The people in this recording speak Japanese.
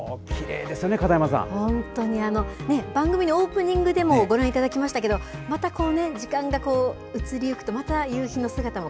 番組のオープニングでもご覧いただきましたけど、またこうね、時間がこう、移り行くと、また、夕そうですね。